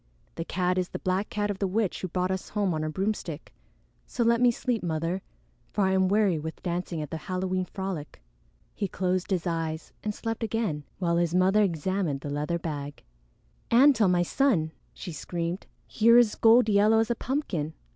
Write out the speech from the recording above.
The cat is the black cat of the witch who brought us home on her broomstick; so let me sleep, Mother, for I am weary with dancing at the Halloween frolic." He closed his eyes and slept again, while his mother examined the leather bag. "Antone, my son!" she screamed. "Here is gold yellow as a pumpkin!